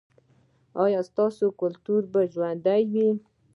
ایا ستاسو کلتور به ژوندی وي؟